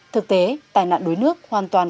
thực tế tài nạn đuối nước hoàn toàn